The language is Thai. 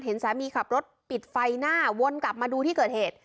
สามีขับรถปิดไฟหน้าวนกลับมาดูที่เกิดเหตุ